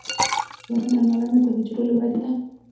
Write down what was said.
د بدن درملنه د حجرو له ودې ده.